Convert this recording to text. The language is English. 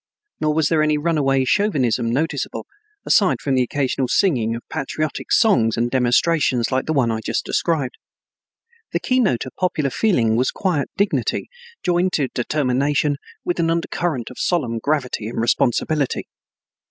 Nor was there any runaway chauvinism noticeable, aside from the occasional singing of patriotic songs and demonstrations like the one I just described. The keynote of popular feeling was quiet dignity, joined to determination, with an undercurrent of solemn gravity and responsibility.